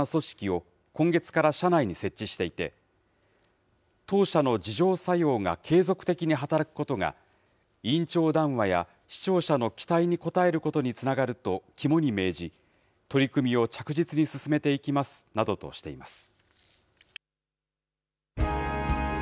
毎日放送は、番組内容をチェックする新たな組織を今月から社内に設置していて、当社の自浄作用が継続的に働くことが、委員長談話や視聴者の期待に応えることにつながると肝に銘じ、取り組みを着実に進めていきますなどとしています。